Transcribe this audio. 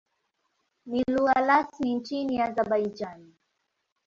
Ni lugha rasmi nchini Azerbaijan.